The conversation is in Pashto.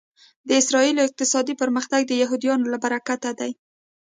د اسرایلو اقتصادي پرمختګ د یهودیانو له برکته دی